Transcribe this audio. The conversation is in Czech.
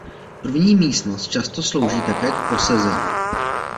První místnost často slouží také k posezení.